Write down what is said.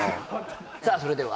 さあそれでは？